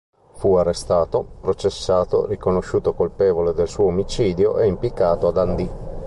Fu arrestato, processato, riconosciuto colpevole del suo omicidio, e impiccato a Dundee.